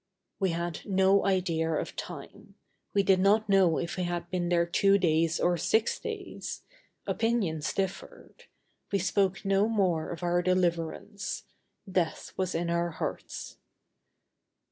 We had no idea of time. We did not know if we had been there two days or six days. Opinions differed. We spoke no more of our deliverance. Death was in our hearts.